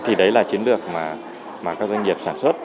thì đấy là chiến lược mà các doanh nghiệp sản xuất